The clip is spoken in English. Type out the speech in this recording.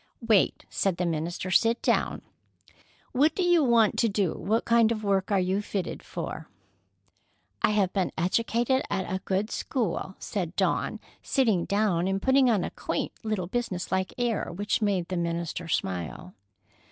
"Wait," said the minister. "Sit down. What do you want to do? What kind of work are you fitted for?" "I have been educated at a good school," said Dawn, sitting down and putting on a quaint little business like air which made the minister smile.